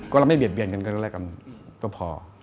ก็เราไม่เบียดเบียนกันก็พอ